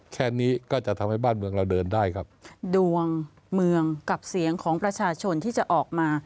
แค่นี้ก็จะทำให้บ้านเมืองเราเดินได้ครับดวงเมืองกับเสียงของประชาชนที่จะออกมา